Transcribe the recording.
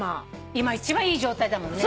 今一番いい状態だもんね。